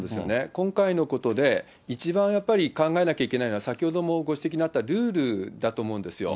今回のことで、一番やっぱり考えなきゃいけないのは、先ほどもご指摘にあったルールだと思うんですよ。